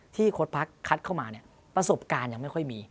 โค้ดพักคัดเข้ามาเนี่ยประสบการณ์ยังไม่ค่อยมี